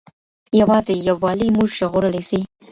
یوازې یووالی موږ ژغورلی سي.